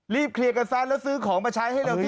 รีบเคลียร์กันซ่านแล้วซื้อของมาใช้ให้เราที่สุด